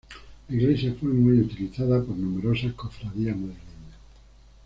La iglesia fue muy utilizada por numerosas cofradías madrileñas.